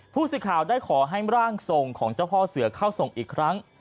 ผู้สื่อข่าวได้ขอให้ร่างทรงของเจ้าพ่อเสือเข้าทรงอีกครั้ง